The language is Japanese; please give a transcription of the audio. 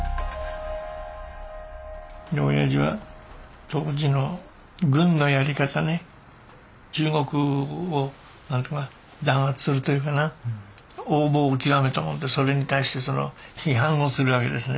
親父は当時の軍のやり方ね中国を弾圧するというかな横暴を極めたもんでそれに対して批判をするわけですね